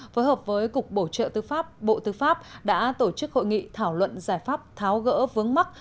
phối hợp với cục bổ trợ tư pháp bộ tư pháp đã tổ chức hội nghị thảo luận giải pháp tháo gỡ vướng mắt